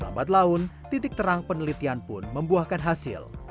lambat laun titik terang penelitian pun membuahkan hasil